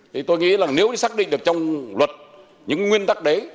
thì tôi nghĩ là nếu xác định được trong luật những nguyên tắc đấy